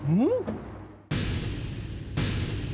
うん？